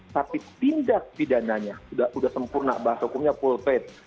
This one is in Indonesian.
tapi tindak pidananya sudah sempurna bahas hukumnya pulpet